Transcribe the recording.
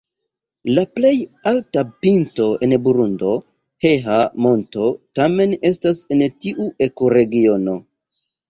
La plej alta pinto en Burundo, Heha-Monto tamen estas en tiu ekoregiono.